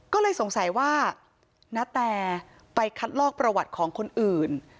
ก็เลยสงสัยว่าณแตไปคัดลอกประวัติของคนอื่น